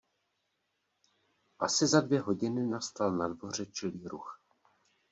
Asi za dvě hodiny nastal na dvoře čilý ruch.